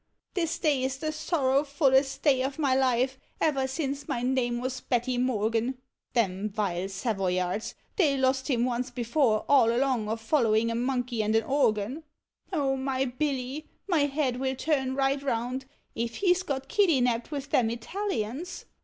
This day is the sorrow fullest <lay of my life, ever since my name was Hetty Morgan. Them vile Savoyards! they lost him once before all along of following a monkey and an organ : O my Hilly — my head will turn right round— if he 's yot kiddyuapped with them /talians.